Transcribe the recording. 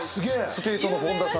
スケートの本田さんとか。